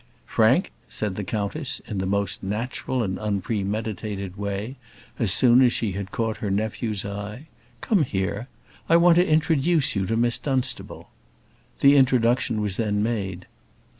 "Frank," said the countess, in the most natural and unpremeditated way, as soon as she caught her nephew's eye, "come here. I want to introduce you to Miss Dunstable." The introduction was then made.